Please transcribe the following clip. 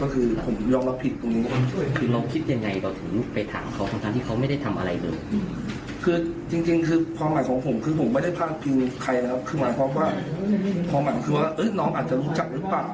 คงกลับความแบบว่าน้องน้องอาจจะรู้ชักหรือป่ะ